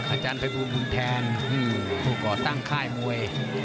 อาจารย์ภัยบูลบุญแทนผู้ก่อตั้งค่ายมวย